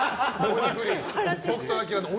北斗晶の鬼